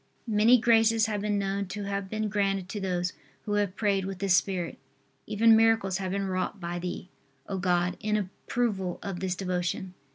Many graces have been known to have been granted to those who have prayed with this spirit. Even miracles have been wrought by Thee, O God, in approval of this devotion.